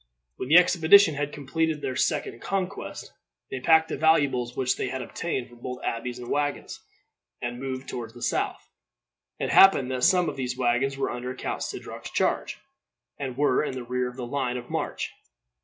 When the expedition had completed their second conquest, they packed the valuables which they had obtained from both abbeys in wagons, and moved toward the south. It happened that some of these wagons were under Count Sidroc's charge, and were in the rear of the line of march.